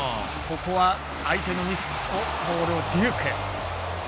ここは相手のミスのボールをデューク。